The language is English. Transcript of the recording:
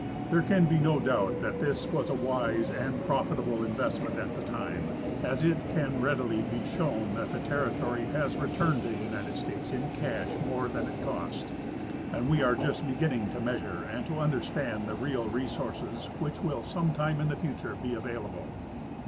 There can l)e no doubt that this was a wise and profitable investment at the time, as it can readily be shown fhat the territory has returned to the United States in cash more than it cost, and Ave are just beginning to measure and to under stand the real resources which will some time in the future be available.